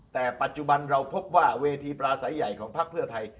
แต่ปัจจุบันเราพบว่าเวทีปลาสายใหญ่ของพักเพื่อไทย